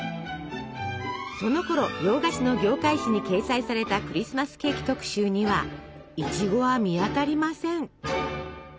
そのころ洋菓子の業界誌に掲載されたクリスマスケーキ特集にはいちごは見当たりません。